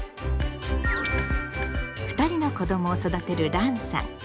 ２人の子どもを育てるランさん。